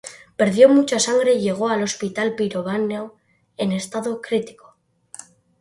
Perdió mucha sangre y llegó al Hospital Pirovano en estado crítico.